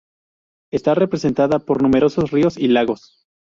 Está representada por numerosos ríos y lagos.